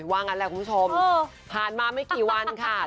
ว่างั้นแหละคุณผู้ชมผ่านมาไม่กี่วันค่ะ